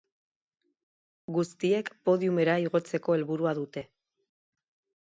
Guztiek podiumera igotzeko helburua dute.